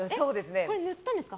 これ塗ったんですか？